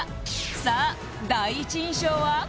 さあ第一印象は？